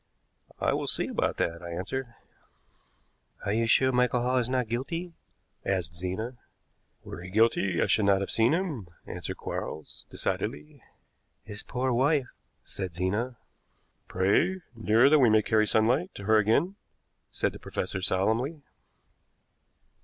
"I will see about that," I answered. "Are you sure Michael Hall is not guilty?" asked Zena. "Were he guilty I should not have seen him," answered Quarles decidedly. "His poor wife!" said Zena. "Pray, dear, that we may carry sunlight to her again," said the professor solemnly.